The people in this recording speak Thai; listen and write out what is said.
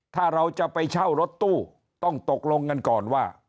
ถ้าเราจะไปเช่ารถตู้ต้องตกลงกันก่อนว่า